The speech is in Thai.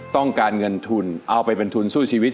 ต้องการเงินทุนเอาไปเป็นทุนสู้ชีวิต